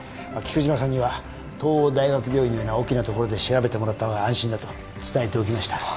菊島さんには東央大学病院のような大きな所で調べてもらった方が安心だと伝えておきました。